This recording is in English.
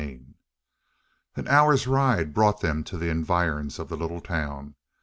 CHAPTER 34 An hour's ride brought them to the environs of the little town.